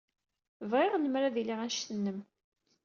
Bɣiɣ lemmer ad iliɣ anect-nnem.